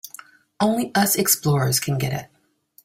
Only us explorers can get it.